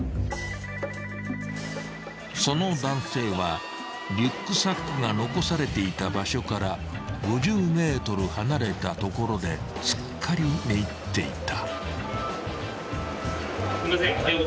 ［その男性はリュックサックが残されていた場所から５０ｍ離れた所ですっかり寝入っていた］